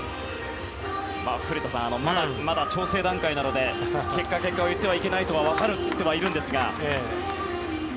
古田さん、まだ調整段階なので結果と言ってはいけないのは分かってはいるんですが。